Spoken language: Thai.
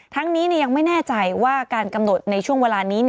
ทั้งนี้ยังไม่แน่ใจว่าการกำหนดในช่วงเวลานี้